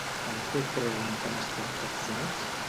Amb què creuen que han estat coaccionats?